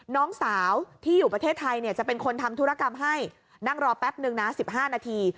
น้องสาวที่อยู่ประเทศไทยจะเป็นคนทำธุรกรรมให้นั่งรอแป๊บนึงนะ๑๕นาที